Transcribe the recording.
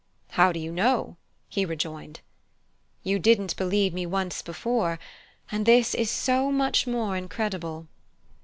"How do you know?" he rejoined. "You didn't believe me once before; and this is so much more incredible."